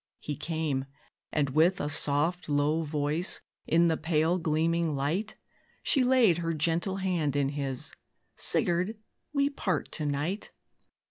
He came, and, with a soft, low voice, In the pale gleaming light, She laid her gentle hand in his "Sigurd, we part to night.